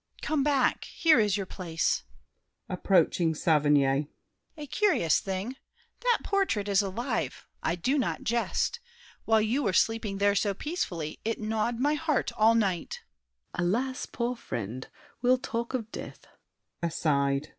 Come back; here is your place! [Approaching Saverny.] A curious thing! That portrait is alive; I do not jest. While you were sleeping there so peacefully It gnawed my heart all night. SAVERNY. Alas! poor friend. We'll talk of death. [Aside.